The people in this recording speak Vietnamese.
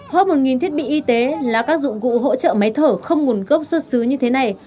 hơn một thiết bị y tế là các dụng cụ hỗ trợ máy thở không nguồn gốc xuất xứ như thế này